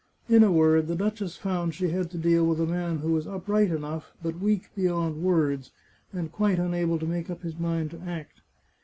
In a word, the duchess found she had to deal with a man who was upright enough, but weak beyond words, and quite unable to make up his mind to act.